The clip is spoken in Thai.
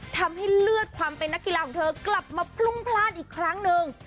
ทำให้เลือดความเป็นนักกีฬาของเธอกลับมาพรุ่งพลาดอีกครั้งหนึ่ง